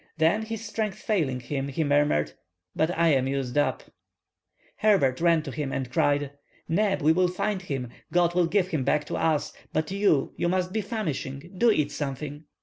Then his strength failing him, he murmured, "But I am used up." Herbert ran to him and cried:— "Neb, we will find him; God will give him back to us; but you, you must be famishing; do eat something."